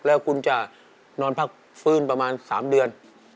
แล้วคุณจะนอนพักฟื้นประมาณ๓เดือน